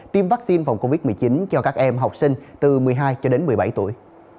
tiêm vaccine phòng covid một mươi chín cho các em học sinh từ một mươi hai cho đến một mươi bảy tuổi